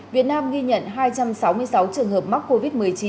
việt nam ghi nhận hai trăm sáu mươi sáu trường hợp mắc covid một mươi chín